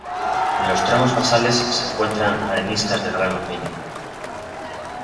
En los tramos basales se encuentran areniscas de grano fino.